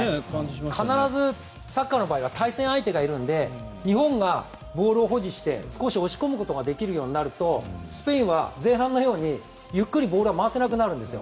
必ずサッカーの場合は対戦相手がいるので日本がボールを保持して少し押し込めるようになるとスペインは前半のようにゆっくりボールは回せなくなるんです。